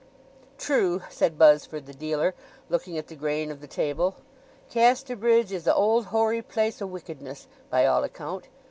"True," said Buzzford, the dealer, looking at the grain of the table. "Casterbridge is a old, hoary place o' wickedness, by all account.